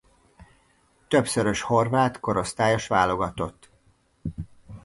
Többszörös horvát korosztályos válogatott.